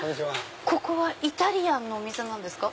ここはイタリアンのお店なんですか？